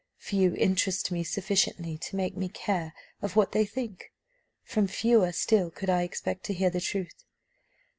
Few interest me sufficiently to make me care of what they think: from fewer still could I expect to hear the truth.